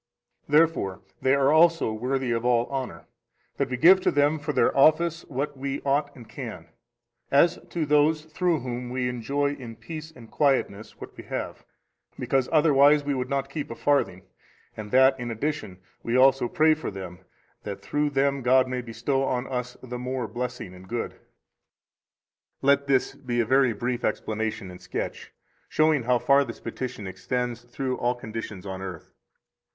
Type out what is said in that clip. Therefore they are also worthy of all honor, that we give to them for their office what we ought and can, as to those through whom we enjoy in peace and quietness what we have, because otherwise we would not keep a farthing; and that, in addition, we also pray for them that through them God may bestow on us the more blessing and good. 76 Let this be a very brief explanation and sketch, showing how far this petition extends through all conditions on earth.